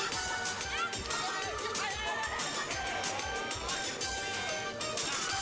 kau kenal banget suara lu